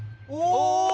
お！